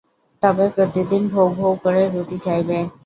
তবে প্রতিদিন ভউ ভউ করে রুটি চাইবে।